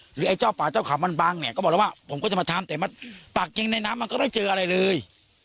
ไอ้เจ้าป่าเจ้าเขามันบังเนี่ยก็บอกแล้วว่าผมก็จะมาทำแต่ปากจริงในน้ำมันก็ไม่เจออะไรเลย